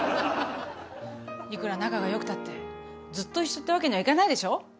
いくら仲が良くたってずっと一緒ってわけにはいかないでしょ。